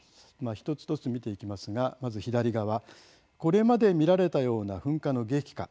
一つ一つ見ていきますがまず左側、これまで見られたような噴火の激化